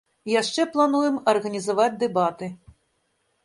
Яшчэ плануем арганізаваць дэбаты.